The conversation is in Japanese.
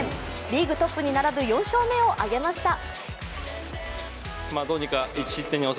リーグトップに並ぶ４勝目を挙げました。